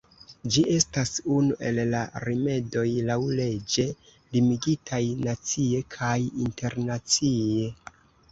Ĝi estas unu el la rimedoj laŭleĝe limigitaj nacie kaj internacie.